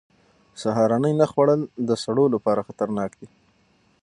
سهارنۍ نه خوړل د سړو لپاره خطرناک دي.